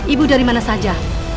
ibu dari mana saja